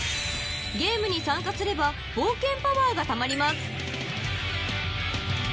［ゲームに参加すれば冒険パワーがたまります］